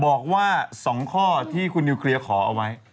บอกว่า๒ข้อที่คุณนิวเคลียร์ขอเอาไว้